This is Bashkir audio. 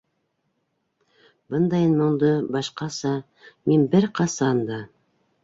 Бындайын моңдо башҡаса... мин бер ҡасан да...